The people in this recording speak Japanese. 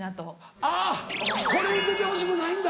あっこれで出てほしくないんだ。